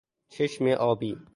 چشم آبی